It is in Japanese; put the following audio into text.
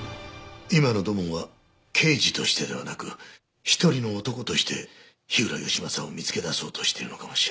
今の土門は刑事としてではなく一人の男として火浦義正を見つけ出そうとしているのかもしれない。